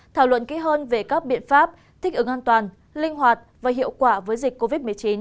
thảo luận kỹ hơn về các biện pháp thích ứng an toàn linh hoạt và hiệu quả với dịch covid một mươi chín